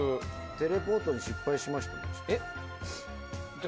テレポートに失敗しましたって。